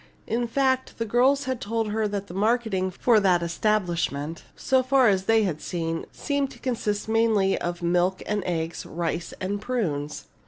In fact, the girls had told her that the marketing for that establishment, so far as they had seen, seemed to consist mainly of milk and eggs, rice and prunes!